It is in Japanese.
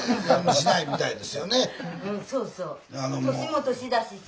年も年だしさ。